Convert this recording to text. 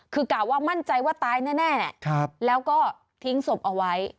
คือกล่าวว่ามั่นใจว่าตายแน่แล้วก็ทิ้งศพเอาไว้